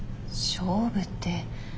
勝負って。